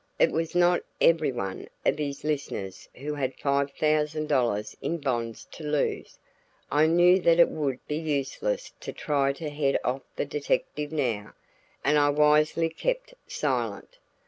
It was not everyone of his listeners who had five thousand dollars in bonds to lose. I knew that it would be useless to try to head off the detective now, and I wisely kept silent.